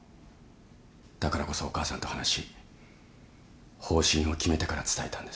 だからこそお母さんと話し方針を決めてから伝えたんです。